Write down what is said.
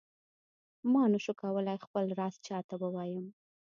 ما نه شو کولای خپل راز چاته ووایم.